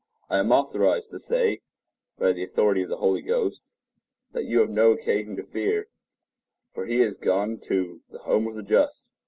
I am authorized to say, by the authority of the Holy Ghost, that you have no occasion to fear; for he is gone to the home of the just.